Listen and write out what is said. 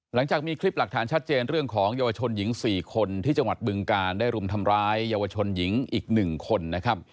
หลังจากมีคลิปหลักฐานชัดเจนเรื่องของเยาวชนหญิง๔คนที่จังหวัดบึงการได้รุมทำร้ายเยาวชนหญิงอีก๑คนนะครับ